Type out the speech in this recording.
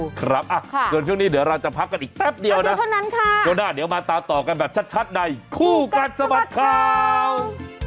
ครับส่วนช่วงนี้เดี๋ยวเราจะพักกันอีกแป๊บเดียวนะช่วงหน้าเดี๋ยวมาตามต่อกันแบบชัดในคู่กัดสะบัดข่าว